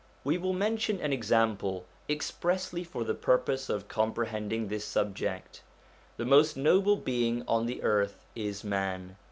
We will mention an example, expressly for the purpose of comprehending this subject. The most noble being on the earth is man.